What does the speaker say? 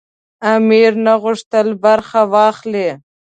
امیر نه غوښتل برخه واخلي.